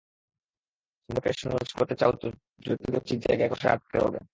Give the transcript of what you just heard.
ছন্দকে সহজ করতে চাও তো যতিকে ঠিক জায়গায় কষে আঁটতে হবে।